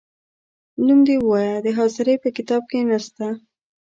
نوم دي ووایه د حاضرۍ په کتاب کې نه سته ،